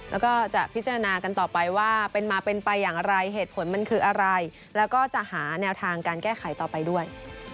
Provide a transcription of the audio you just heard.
แล้วก็จะพิจารณากันต่อไปว่าเป็นมาเป็นไปอย่างไรเหตุผลมันคืออะไรแล้วก็จะหาแนวทางการแก้ไขต่อไปด้วย